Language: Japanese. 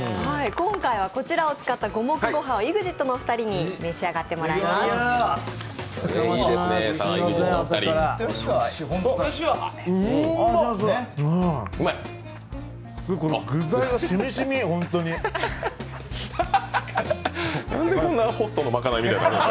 今回はこちらを使った五目ごはんをＥＸＩＴのお二人に食べていただきます。